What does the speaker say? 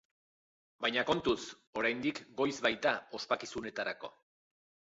Baina kontuz, oraindik goiz baita ospakizunetarako.